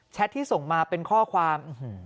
ที่ส่งมาเป็นข้อความ